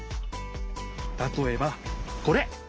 たとえばこれ！